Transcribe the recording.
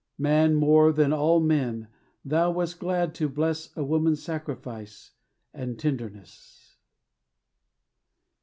Man more than all men, Thou wast glad to bless A woman's sacrifice and tenderness.